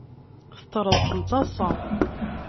Teṭṭerḍqem d taḍsa.